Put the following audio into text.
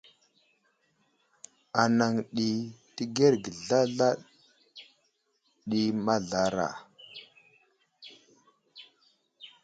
Anaŋ ɗi təgerge zlazla ɗi mazlara.